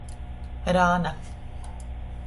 Rāna.